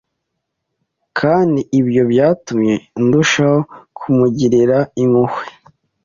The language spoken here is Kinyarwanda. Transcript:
Kandi ibyo byatumye ndushaho kumugirira impuhwe